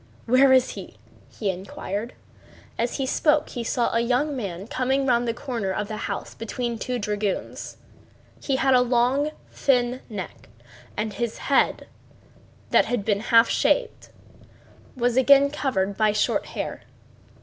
"Where is he?" he inquired. And as he spoke he saw a young man coming round the corner of the house between two dragoons. He had a long thin neck, and his head, that had been half shaved, was again covered by short hair.